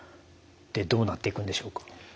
でどうなっていくんでしょうか？